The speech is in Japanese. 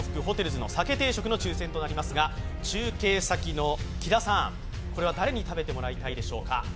’ｓの鮭定食の抽選となりますが、中継先の木田さん、これは誰に食べてもらいたいでしょうか？